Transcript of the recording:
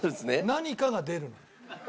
何かが出るの。